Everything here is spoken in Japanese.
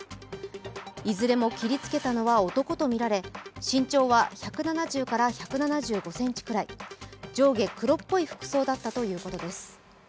いずれも切りつけたのは男とみられ、身長は１７０１７５ｃｍくらい、上下黒っぽい服装だったということです。